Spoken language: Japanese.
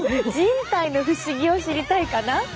人体の不思議を知りたいかな。